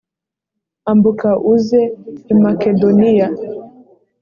ambuka uze i makedoniya